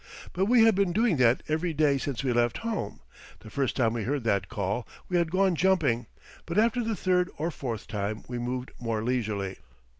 But we had been doing that every day since we left home. The first time we heard that call we had gone jumping, but after the third or fourth time we moved more leisurely.